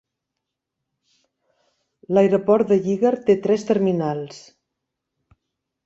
L'aeroport de Yeager té tres terminals.